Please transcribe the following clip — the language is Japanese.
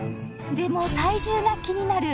でも体重が気になる